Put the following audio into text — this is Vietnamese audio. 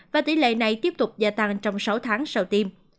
và tỷ lệ này tiếp tục gia tăng trong sáu tháng sau tiêm